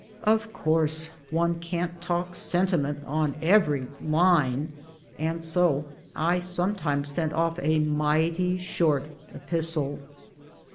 Of course one can't talk sentiment on every line, and so I sometimes sent oil a mighty short epistle."